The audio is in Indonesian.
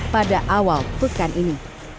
pada awal pekan ini